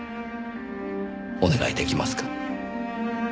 お願い出来ますか？